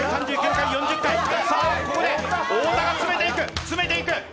ここで太田が詰めていく詰めていく。